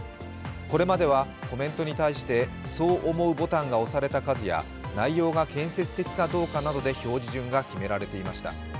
これまではコメントに対して「そう思う」ボタンが押された数や内容が建設的かどうかなどで表示順が決められていました。